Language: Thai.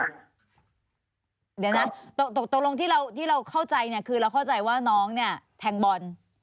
เดี๋ยวนะตกลงที่เราเข้าใจเนี่ยคือเราเข้าใจว่าน้องเนี่ยแทงบอล